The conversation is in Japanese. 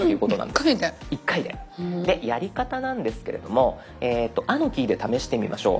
でやり方なんですけれども「あ」のキーで試してみましょう。